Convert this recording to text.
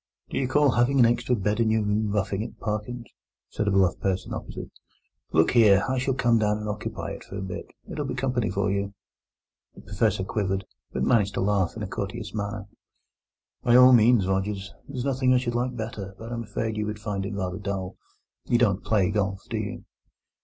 "Do you call having an extra bed in your room roughing it, Parkins?" said a bluff person opposite. "Look here, I shall come down and occupy it for a bit; it'll be company for you." The Professor quivered, but managed to laugh in a courteous manner. "By all means, Rogers; there's nothing I should like better. But I'm afraid you would find it rather dull; you don't play golf, do you?"